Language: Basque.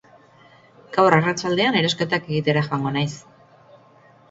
Gaur arratsaldean erosketak egitera joango naiz.